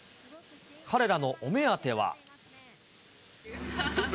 彼らのお目当ては。